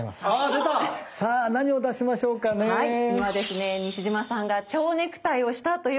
はい。